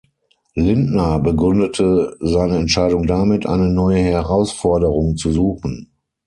Lindner begründete seine Entscheidung damit, eine neue Herausforderung zu suchen.